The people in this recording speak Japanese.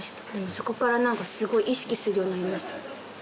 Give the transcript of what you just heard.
そこから何かすごい意識するようになりました